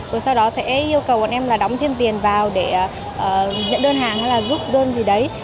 rồi sau đó sẽ yêu cầu bọn em là đóng thêm tiền vào để nhận đơn hàng hay là giúp đơn gì đấy